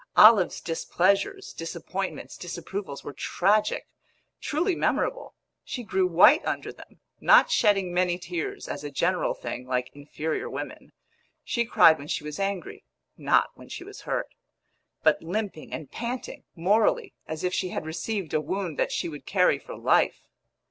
Olive's displeasures, disappointments, disapprovals were tragic, truly memorable; she grew white under them, not shedding many tears, as a general thing, like inferior women (she cried when she was angry, not when she was hurt), but limping and panting, morally, as if she had received a wound that she would carry for life.